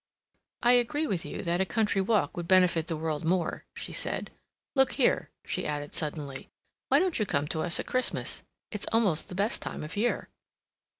"I agree with you that a country walk would benefit the world more," she said. "Look here," she added suddenly, "why don't you come to us at Christmas? It's almost the best time of year."